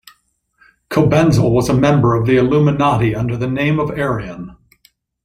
Cobenzl was a member of the Illuminati under the name of Arrian.